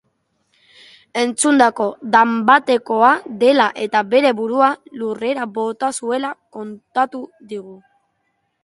Entzundako danbatekoa dela eta bere burua lurrera bota zuela kontatu digu.